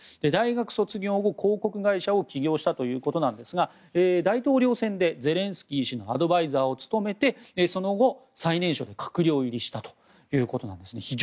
大学卒業後、広告会社を起業したということなんですが大統領選で、ゼレンスキー氏のアドバイザーを務めてその後、最年少で閣僚入りしたということなんですね。